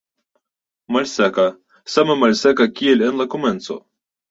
Malseka, same malseka kiel en la komenco.